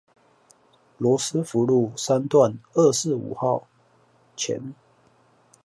羅斯福路三段二四五號前